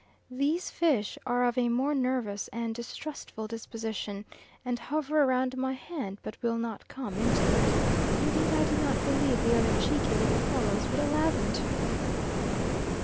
These fish are of a more nervous and distrustful disposition, and hover round my hand but will not come into it. Indeed I do not believe the other cheeky little fellows would allow them to.